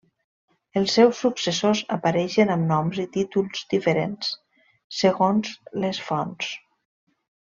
Els seus successors apareixen amb noms i títols diferents segons les fonts.